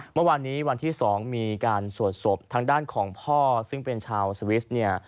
เมื่อวานนี้วันที่๒มีการสวดศพทางด้านของพ่อซึ่งเป็นชาวสวิสเนี่ย